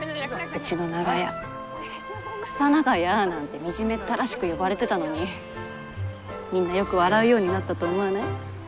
うちの長屋「クサ長屋」なんて惨めったらしく呼ばれてたのにみんなよく笑うようになったと思わない？